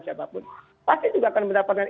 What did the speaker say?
siapapun pasti juga akan mendapatkan